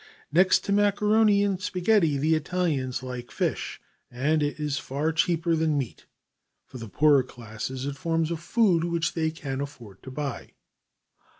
Next to macaroni and spaghetti the Italians like fish, and as it is far cheaper than meat, for the poorer classes it forms a food which they can afford to buy.